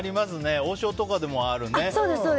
王将とかでもあるね